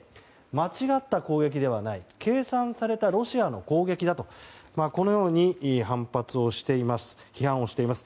間違った攻撃ではない計算されたロシアの攻撃だとこのように批判をしています。